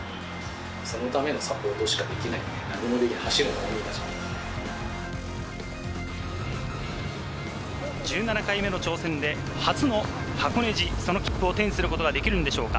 そのためのサポートしかできない、何もできない、１７回目の挑戦で初の箱根路、その切符を手にすることができるんでしょうか。